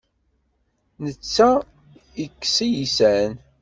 Netta ikess iysan.